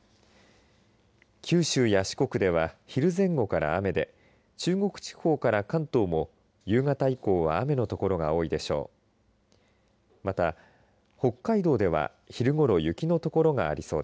九州や四国では昼前後から雨で中国地方から関東も夕方以降は雨の所が多いでしょう。